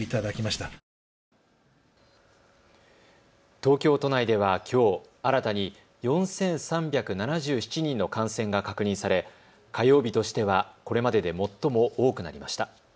東京都内ではきょう、新たに４３７７人の感染が確認され火曜日としてはこれまでで最も多くなりました。